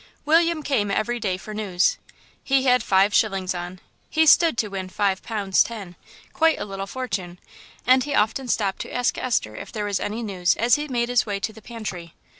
William came every day for news. He had five shillings on; he stood to win five pounds ten quite a little fortune and he often stopped to ask Esther if there was any news as he made his way to the pantry.